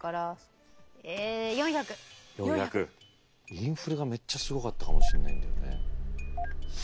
インフレがめっちゃすごかったかもしんないんだよね。